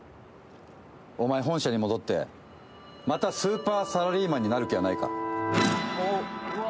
お前、本社に戻って、またスーパーサラリーマンになる気はないか？